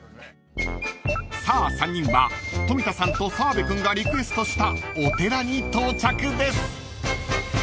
［さあ３人は富田さんと澤部君がリクエストしたお寺に到着です］